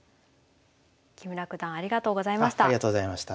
木村九段ありがとうございました。